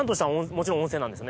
もちろん温泉なんですよね？